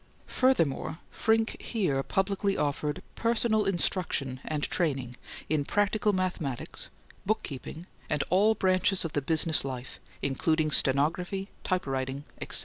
Furthermore, Frincke here publicly offered "personal instruction and training in practical mathematics, bookkeeping, and all branches of the business life, including stenography, typewriting, etc."